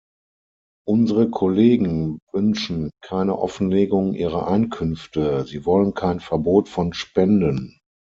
Unsere Kollegen wünschen keine Offenlegung ihrer Einkünfte, sie wollen kein Verbot von Spenden.